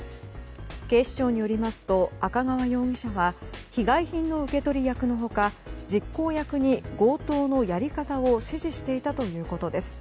警視庁によりますと赤川容疑者は被害品の受け取り役の他実行役に強盗のやり方を指示していたということです。